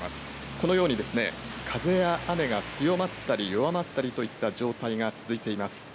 このように風や雨が強まったり弱まったりといった状態が、続いています。